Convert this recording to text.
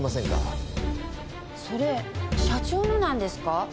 それ社長のなんですか？